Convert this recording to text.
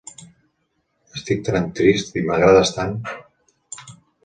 Estic tan trist, i m'agrades tant!